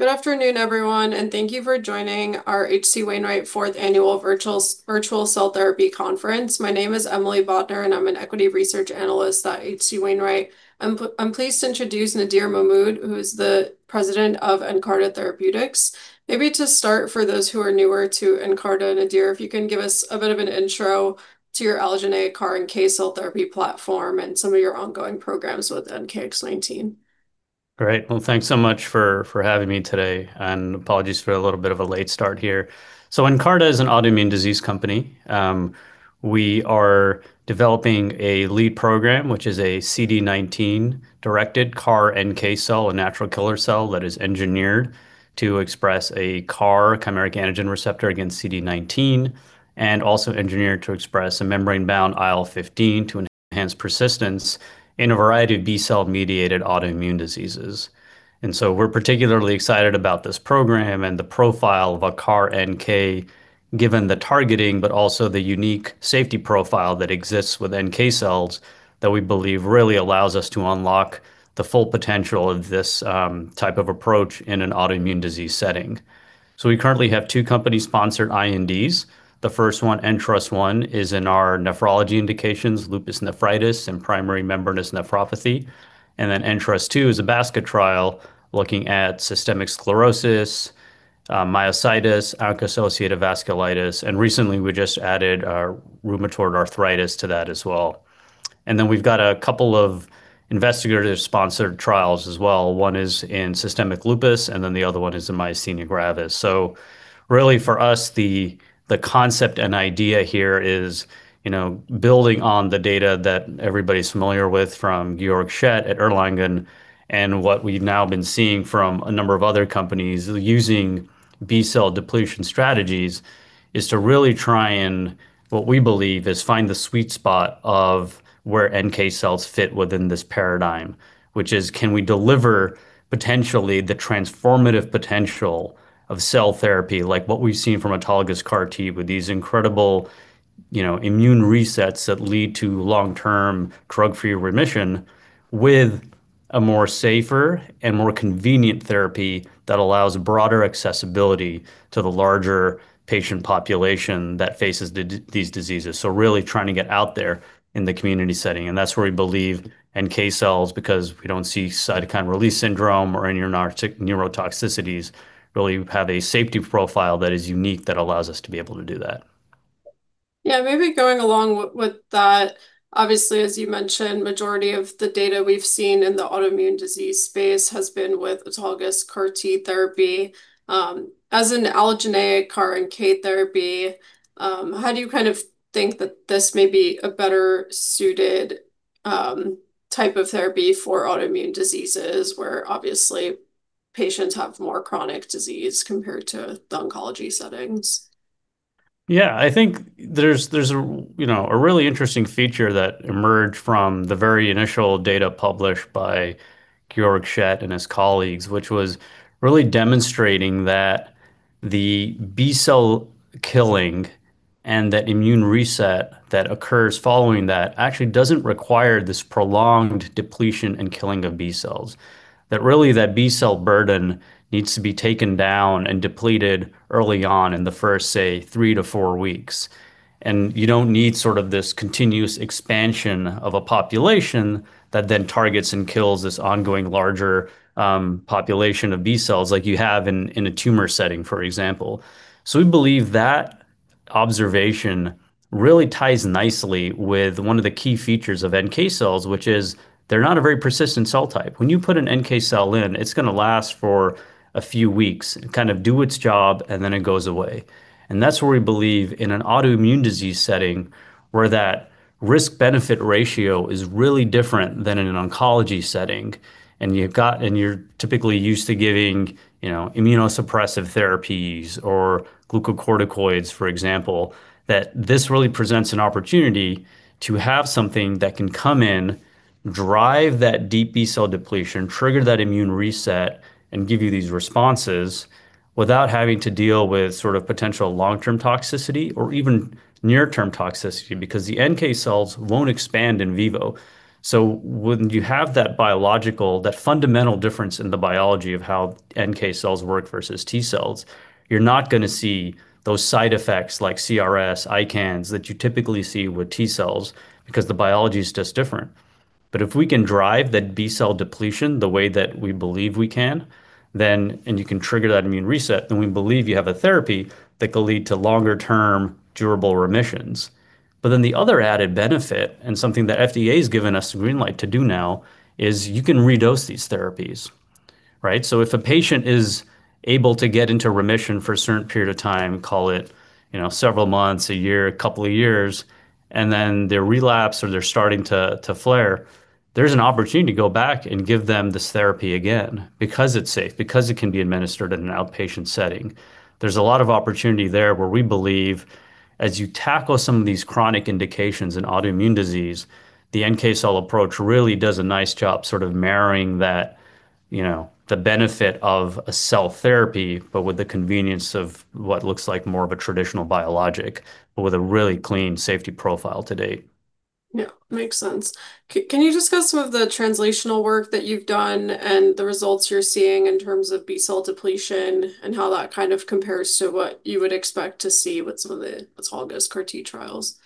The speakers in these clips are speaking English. Good afternoon, everyone, and thank you for joining our H.C. Wainwright fourth annual virtual cell therapy conference. My name is Emily Bodnar, and I'm an equity research analyst at H.C. Wainwright. I'm pleased to introduce Nadir Mahmood, who is the president of Nkarta Therapeutics. For those who are newer to Nkarta, Nadir, if you can give us a bit of an intro to your allogeneic CAR-NK cell therapy platform and some of your ongoing programs with NKX019. Thanks so much for having me today. Apologies for a little bit of a late start here. Nkarta is an autoimmune disease company. We are developing a lead program, which is a CD19-directed CAR-NK cell, a natural killer cell that is engineered to express a CAR, chimeric antigen receptor, against CD19, and also engineered to express a membrane-bound IL-15 to enhance persistence in a variety of B-cell-mediated autoimmune diseases. We're particularly excited about this program and the profile of a CAR-NK, given the targeting, but also the unique safety profile that exists with NK cells that we believe really allows us to unlock the full potential of this type of approach in an autoimmune disease setting. We currently have two company-sponsored INDs. The first one, Ntrust-1, is in our nephrology indications, lupus nephritis, and primary membranous nephropathy. Ntrust-2 is a basket trial looking at systemic sclerosis, myositis, ANCA-associated vasculitis, recently we just added rheumatoid arthritis to that as well. We've got a couple of investigator-sponsored trials as well. One is in systemic lupus, the other one is in myasthenia gravis. Really, for us, the concept and idea here is building on the data that everybody's familiar with from Georg Schett at Erlangen and what we've now been seeing from a number of other companies using B-cell depletion strategies, is to really try and, what we believe, is find the sweet spot of where NK cells fit within this paradigm. Can we deliver potentially the transformative potential of cell therapy, like what we've seen from autologous CAR T with these incredible immune resets that lead to long-term drug-free remission with a safer and more convenient therapy that allows broader accessibility to the larger patient population that faces these diseases. Really trying to get out there in the community setting. That's where we believe NK cells, because we don't see cytokine release syndrome or any neurotoxicities, really have a safety profile that is unique that allows us to be able to do that. maybe going along with that, obviously, as you mentioned, majority of the data we've seen in the autoimmune disease space has been with autologous CAR T therapy. As an allogeneic CAR-NK therapy, how do you think that this may be a better suited type of therapy for autoimmune diseases where obviously patients have more chronic disease compared to the oncology settings? I think there's a really interesting feature that emerged from the very initial data published by Georg Schett and his colleagues, which was really demonstrating that the B-cell killing and that immune reset that occurs following that actually doesn't require this prolonged depletion and killing of B cells. That really that B-cell burden needs to be taken down and depleted early on in the first, say, three to four weeks. You don't need this continuous expansion of a population that then targets and kills this ongoing larger population of B cells like you have in a tumor setting, for example. We believe that observation really ties nicely with one of the key features of NK cells, which is they're not a very persistent cell type. When you put an NK cell in, it's going to last for a few weeks and do its job, and then it goes away. That's where we believe in an autoimmune disease setting where that risk-benefit ratio is really different than in an oncology setting. You're typically used to giving immunosuppressive therapies or glucocorticoids, for example, that this really presents an opportunity to have something that can come in, drive that deep B-cell depletion, trigger that immune reset, and give you these responses without having to deal with potential long-term toxicity or even near-term toxicity because the NK cells won't expand in vivo. When you have that biological, that fundamental difference in the biology of how NK cells work versus T cells, you're not going to see those side effects like CRS, ICANS that you typically see with T cells because the biology is just different. If we can drive that B-cell depletion the way that we believe we can, and you can trigger that immune reset, we believe you have a therapy that could lead to longer-term durable remissions. The other added benefit, and something that FDA has given us the green light to do now, is you can redose these therapies. If a patient is able to get into remission for a certain period of time, call it several months, a year, a couple of years, and then they relapse or they're starting to flare, there's an opportunity to go back and give them this therapy again because it's safe, because it can be administered in an outpatient setting. There's a lot of opportunity there where we believe as you tackle some of these chronic indications in autoimmune disease, the NK cell approach really does a nice job marrying the benefit of a cell therapy, but with the convenience of what looks like more of a traditional biologic, but with a really clean safety profile to date. Yeah, makes sense. Can you discuss some of the translational work that you've done and the results you're seeing in terms of B-cell depletion and how that kind of compares to what you would expect to see with some of the autologous CAR T trials?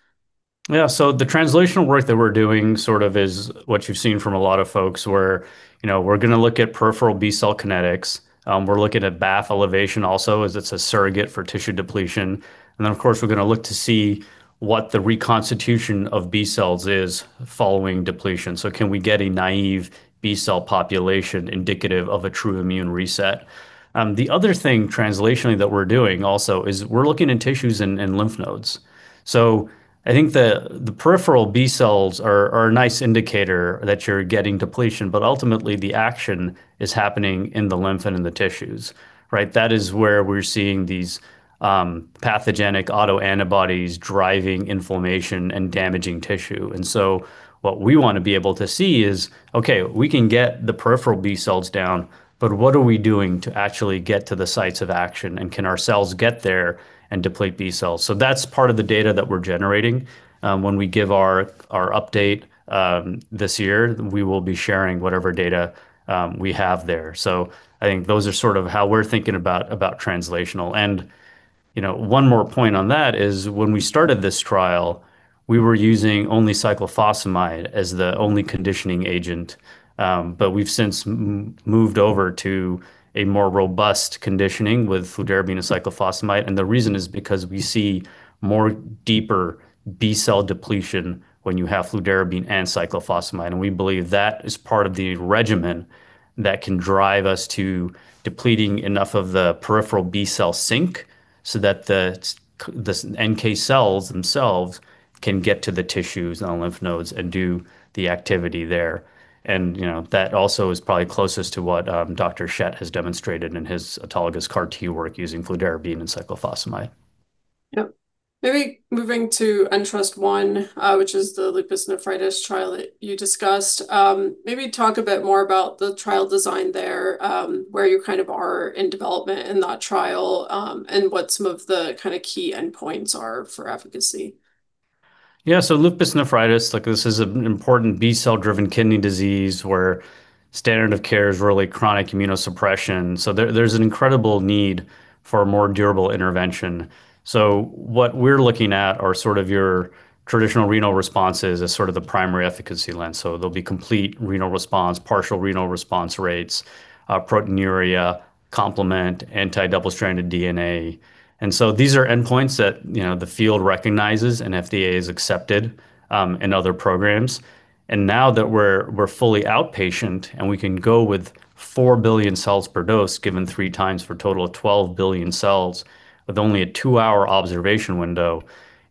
Yeah. The translational work that we're doing sort of is what you've seen from a lot of folks where we're going to look at peripheral B-cell kinetics. We are looking at BAFF elevation also as it's a surrogate for tissue depletion. Then, of course, we're going to look to see what the reconstitution of B cells is following depletion. Can we get a naive B-cell population indicative of a true immune reset? The other thing translationally that we're doing also is we're looking in tissues and lymph nodes. I think the peripheral B cells are a nice indicator that you're getting depletion, but ultimately the action is happening in the lymph and in the tissues, right? That is where we're seeing these pathogenic autoantibodies driving inflammation and damaging tissue. What we want to be able to see is, okay, we can get the peripheral B cells down, but what are we doing to actually get to the sites of action, and can our cells get there and deplete B cells? That's part of the data that we're generating. When we give our update this year, we will be sharing whatever data we have there. I think those are sort of how we're thinking about translational. One more point on that is when we started this trial, we were using only cyclophosphamide as the only conditioning agent. We've since moved over to a more robust conditioning with fludarabine and cyclophosphamide. The reason is because we see more deeper B-cell depletion when you have fludarabine and cyclophosphamide. We believe that is part of the regimen that can drive us to depleting enough of the peripheral B-cell sink so that the NK cells themselves can get to the tissues and the lymph nodes and do the activity there. That also is probably closest to what Dr. Schett has demonstrated in his autologous CAR T work using fludarabine and cyclophosphamide. Maybe moving to Ntrust-1, which is the lupus nephritis trial that you discussed. Maybe talk a bit more about the trial design there, where you kind of are in development in that trial, and what some of the key endpoints are for efficacy. Lupus nephritis, this is an important B-cell-driven kidney disease where standard of care is really chronic immunosuppression. There's an incredible need for a more durable intervention. What we're looking at are sort of your traditional renal responses as sort of the primary efficacy lens. There'll be complete renal response, partial renal response rates, proteinuria, complement, anti-double-stranded DNA. These are endpoints that the field recognizes and FDA has accepted in other programs. Now that we're fully outpatient, we can go with four billion cells per dose, given three times for a total of 12 billion cells, with only a two-hour observation window,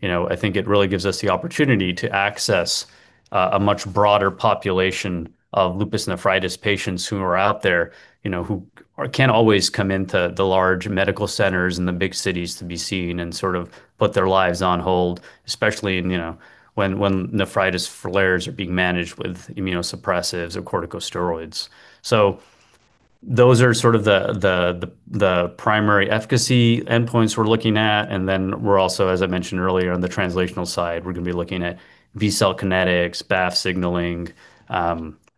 I think it really gives us the opportunity to access a much broader population of lupus nephritis patients who are out there who can't always come into the large medical centers and the big cities to be seen and sort of put their lives on hold, especially when nephritis flares are being managed with immunosuppressives or corticosteroids. Those are sort of the primary efficacy endpoints we're looking at. Then we're also, as I mentioned earlier, on the translational side, we're going to be looking at B-cell kinetics, BAFF signaling,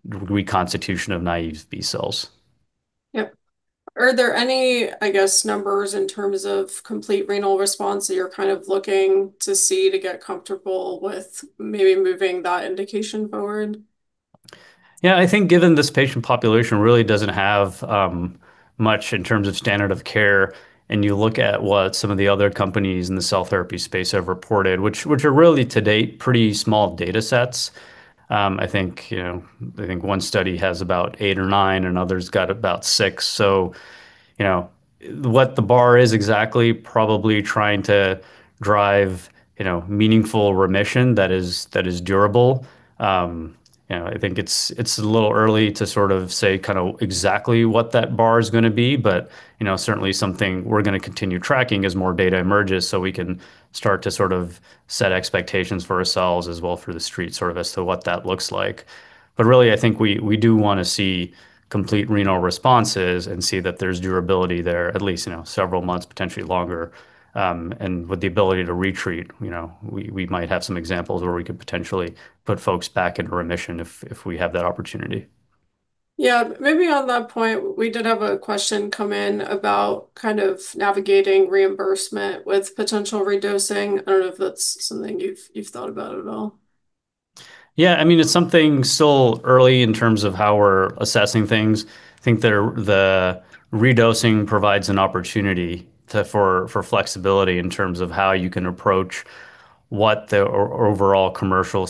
reconstitution of naive B cells. Yep. Are there any, I guess, numbers in terms of complete renal response that you're kind of looking to see to get comfortable with maybe moving that indication forward? Yeah, I think given this patient population really doesn't have much in terms of standard of care, you look at what some of the other companies in the cell therapy space have reported, which are really to date pretty small data sets. I think one study has about eight or nine, another's got about six. What the bar is exactly, probably trying to drive meaningful remission that is durable. I think it's a little early to say exactly what that bar is going to be, certainly something we're going to continue tracking as more data emerges, we can start to set expectations for ourselves as well for the street as to what that looks like. Really, I think we do want to see complete renal responses and see that there's durability there at least several months, potentially longer. With the ability to re-treat, we might have some examples where we could potentially put folks back into remission if we have that opportunity. Yeah. Maybe on that point, we did have a question come in about navigating reimbursement with potential redosing. I don't know if that's something you've thought about at all. Yeah. It's something still early in terms of how we're assessing things. I think the redosing provides an opportunity for flexibility in terms of how you can approach what the overall commercial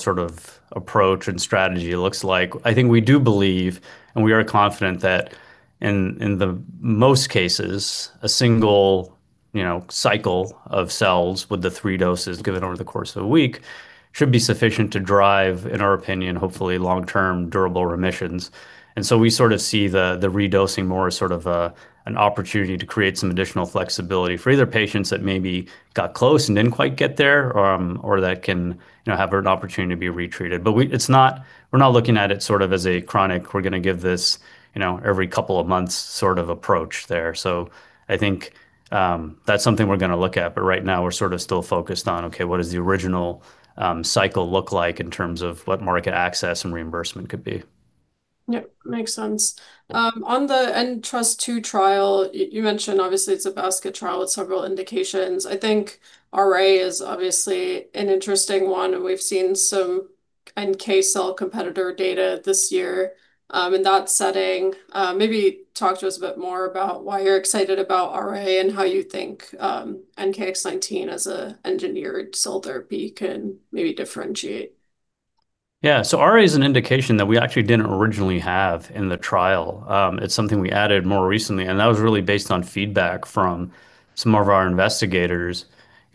approach and strategy looks like. I think we do believe, and we are confident that in the most cases, a single cycle of cells with the three doses given over the course of a week should be sufficient to drive, in our opinion, hopefully long-term durable remissions. We sort of see the redosing more as sort of an opportunity to create some additional flexibility for either patients that maybe got close and didn't quite get there, or that can have an opportunity to be retreated. We're not looking at it as a chronic, we're going to give this every couple of months sort of approach there. I think that's something we're going to look at. Right now, we're still focused on, okay, what does the original cycle look like in terms of what market access and reimbursement could be? Yep, makes sense. On the Ntrust-2 trial, you mentioned obviously it's a basket trial with several indications. I think RA is obviously an interesting one, and we've seen some NK cell competitor data this year in that setting. Maybe talk to us a bit more about why you're excited about RA and how you think NKX019 as an engineered cell therapy can maybe differentiate. Yeah. RA is an indication that we actually didn't originally have in the trial. It's something we added more recently, and that was really based on feedback from some of our investigators.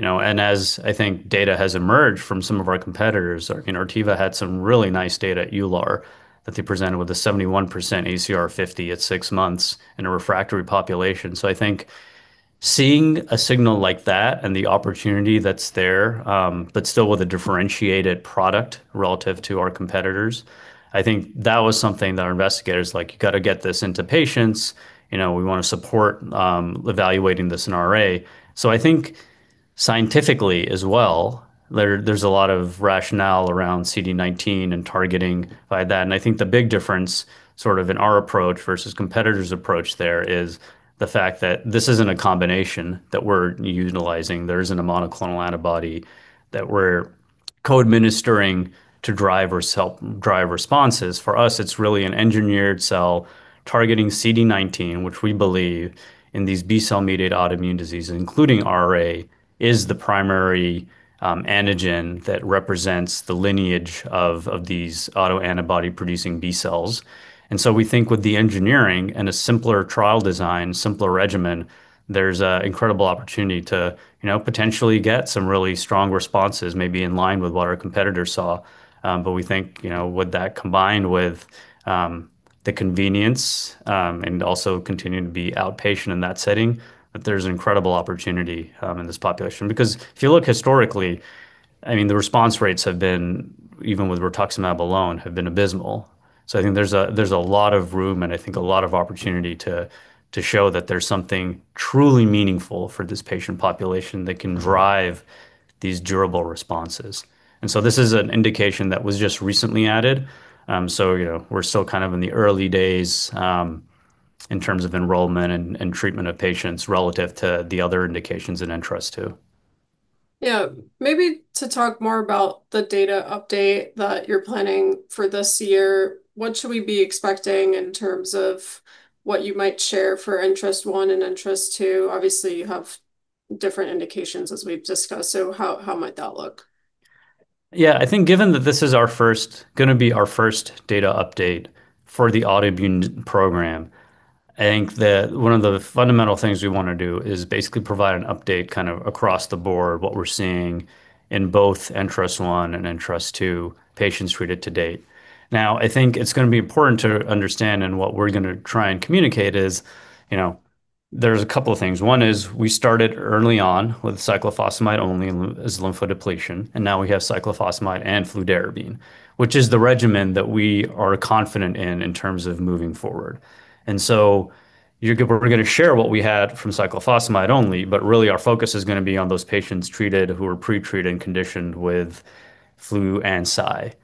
As, I think, data has emerged from some of our competitors, Artiva had some really nice data at EULAR that they presented with a 71% ACR50 at six months in a refractory population. I think seeing a signal like that and the opportunity that's there, but still with a differentiated product relative to our competitors, I think that was something that our investigators were like, "You got to get this into patients. We want to support evaluating this in RA." I think scientifically as well, there's a lot of rationale around CD19 and targeting by that. I think the big difference sort of in our approach versus competitors' approach there is the fact that this isn't a combination that we're utilizing. There isn't a monoclonal antibody that we're co-administering to drive or help drive responses. For us, it's really an engineered cell targeting CD19, which we believe in these B-cell-mediated autoimmune diseases, including RA, is the primary antigen that represents the lineage of these autoantibody-producing B cells. We think with the engineering and a simpler trial design, simpler regimen, there's an incredible opportunity to potentially get some really strong responses, maybe in line with what our competitors saw. We think with that combined with the convenience, and also continuing to be outpatient in that setting, that there's incredible opportunity in this population. If you look historically, the response rates, even with rituximab alone, have been abysmal. I think there's a lot of room and a lot of opportunity to show that there's something truly meaningful for this patient population that can drive these durable responses. This is an indication that was just recently added. We're still kind of in the early days in terms of enrollment and treatment of patients relative to the other indications in Ntrust-2. Yeah. Maybe to talk more about the data update that you're planning for this year, what should we be expecting in terms of what you might share for Ntrust-1 and Ntrust-2? Obviously, you have different indications as we've discussed. How might that look? Yeah. I think given that this is going to be our first data update for the autoimmune program, I think that one of the fundamental things we want to do is basically provide an update across the board, what we're seeing in both Ntrust-1 and Ntrust-2 patients treated to date. I think it's going to be important to understand, and what we're going to try and communicate is there's a couple of things. One is we started early on with cyclophosphamide only as lymphodepletion, and now we have cyclophosphamide and fludarabine, which is the regimen that we are confident in terms of moving forward. We're going to share what we had from cyclophosphamide only, but really our focus is going to be on those patients treated who were pre-treated and conditioned with Flu/Cy.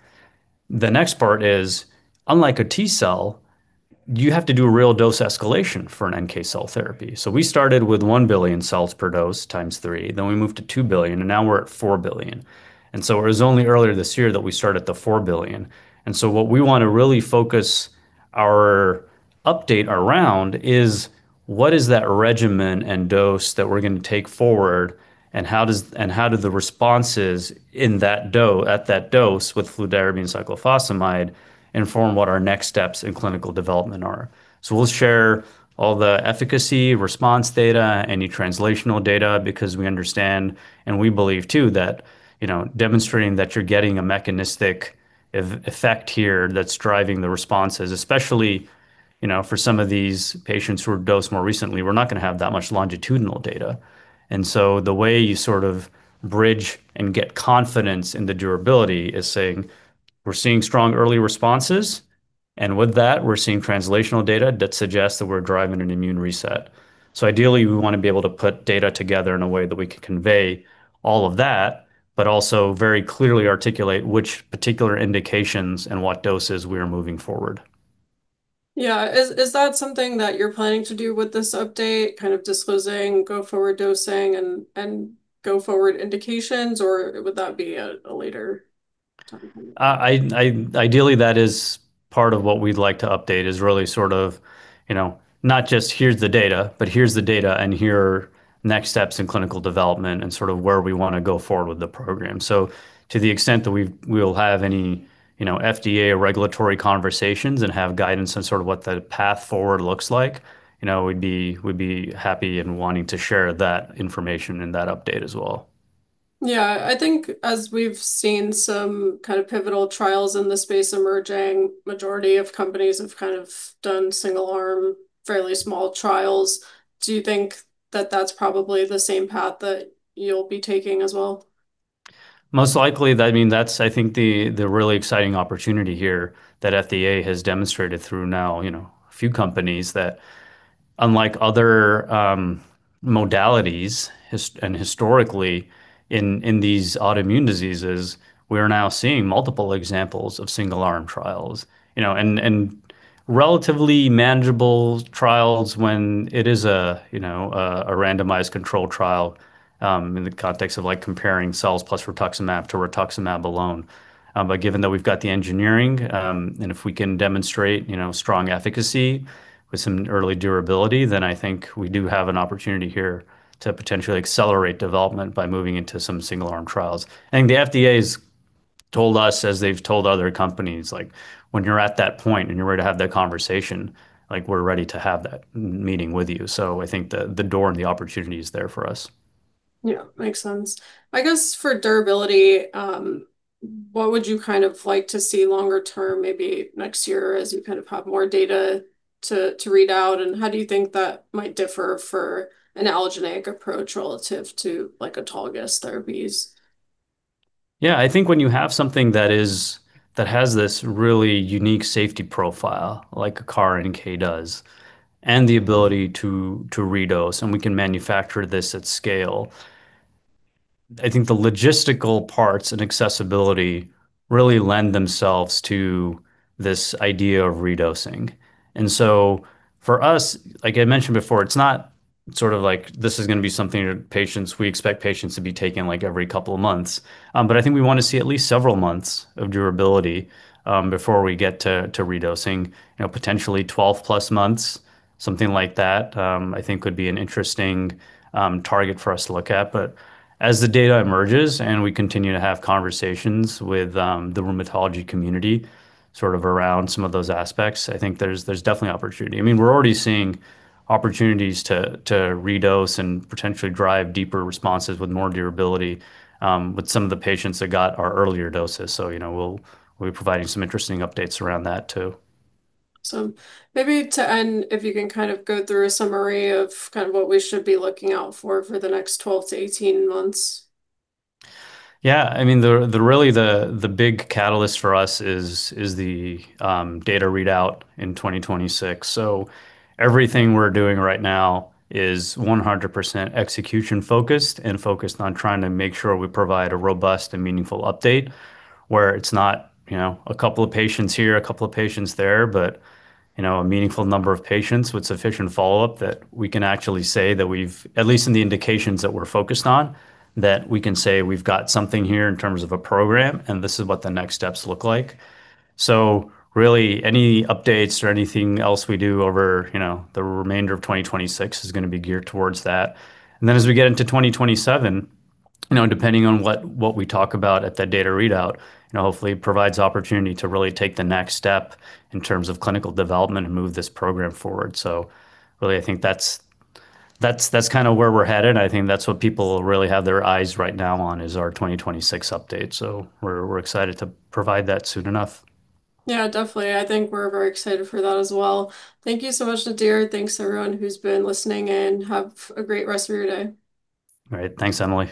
The next part is, unlike a T cell, you have to do a real dose escalation for an NK cell therapy. We started with 1 billion cells per dose times three, then we moved to 2 billion, and now we're at 4 billion. It was only earlier this year that we started the 4 billion. What we want to really focus our update around is what is that regimen and dose that we're going to take forward, and how do the responses at that dose with fludarabine cyclophosphamide inform what our next steps in clinical development are. We'll share all the efficacy response data, any translational data, because we understand and we believe, too, that demonstrating that you're getting a mechanistic effect here that's driving the responses. Especially for some of these patients who were dosed more recently, we're not going to have that much longitudinal data. The way you sort of bridge and get confidence in the durability is saying, we're seeing strong early responses, and with that, we're seeing translational data that suggests that we're driving an immune reset. Ideally, we want to be able to put data together in a way that we can convey all of that, but also very clearly articulate which particular indications and what doses we are moving forward. Yeah. Is that something that you're planning to do with this update, kind of disclosing go forward dosing and go forward indications, or would that be at a later time? Ideally, that is part of what we'd like to update, is really sort of not just here's the data, but here's the data and here are next steps in clinical development and sort of where we want to go forward with the program. To the extent that we will have any FDA or regulatory conversations and have guidance on sort of what the path forward looks like, we'd be happy and wanting to share that information in that update as well. Yeah. I think as we've seen some kind of pivotal trials in the space emerging, majority of companies have done single-arm, fairly small trials. Do you think that that's probably the same path that you'll be taking as well? Most likely. That's, I think, the really exciting opportunity here that FDA has demonstrated through now a few companies that unlike other modalities, and historically in these autoimmune diseases, we are now seeing multiple examples of single-arm trials and relatively manageable trials when it is a randomized control trial in the context of comparing cells plus rituximab to rituximab alone. Given that we've got the engineering, and if we can demonstrate strong efficacy with some early durability, then I think we do have an opportunity here to potentially accelerate development by moving into some single-arm trials. I think the FDA's told us, as they've told other companies, "When you're at that point and you're ready to have that conversation, we're ready to have that meeting with you." I think the door and the opportunity is there for us. Yeah, makes sense. I guess for durability, what would you like to see longer term, maybe next year, as you have more data to read out? And how do you think that might differ for an allogeneic approach relative to autologous therapies? Yeah. I think when you have something that has this really unique safety profile, like CAR-NK does, and the ability to redose, and we can manufacture this at scale, I think the logistical parts and accessibility really lend themselves to this idea of redosing. For us, like I mentioned before, it's not like this is going to be something we expect patients to be taking every couple of months. I think we want to see at least several months of durability before we get to redosing. Potentially 12+ months, something like that, I think would be an interesting target for us to look at. As the data emerges and we continue to have conversations with the rheumatology community around some of those aspects, I think there's definitely opportunity. We're already seeing opportunities to redose and potentially drive deeper responses with more durability with some of the patients that got our earlier doses. We'll be providing some interesting updates around that, too. Maybe to end, if you can go through a summary of what we should be looking out for the next 12-18 months. Really the big catalyst for us is the data readout in 2026. Everything we're doing right now is 100% execution-focused and focused on trying to make sure we provide a robust and meaningful update where it's not a couple of patients here, a couple of patients there, but a meaningful number of patients with sufficient follow-up that we can actually say that we've, at least in the indications that we're focused on, that we can say we've got something here in terms of a program, and this is what the next steps look like. Really, any updates or anything else we do over the remainder of 2026 is going to be geared towards that. As we get into 2027, depending on what we talk about at that data readout, hopefully it provides opportunity to really take the next step in terms of clinical development and move this program forward. Really, I think that's where we're headed. I think that's what people really have their eyes right now on is our 2026 update. We're excited to provide that soon enough. Yeah, definitely. I think we're very excited for that as well. Thank you so much, Nadir. Thanks everyone who's been listening in. Have a great rest of your day. All right. Thanks, Emily.